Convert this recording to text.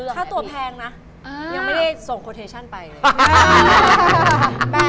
ถ้าตัวแพงนะยังไม่ได้ส่งโคเทชั่นไปเลย